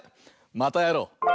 またやろう！